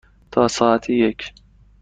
تا ساعت یک.